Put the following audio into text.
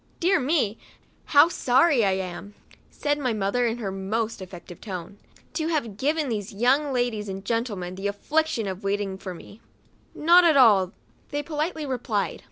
" Dear me ! how sorry I am," said my mother, in her most affected tone, " to have given these young ladies and gentlemen the affliction of waiting for me." " Not at all," they politely replied.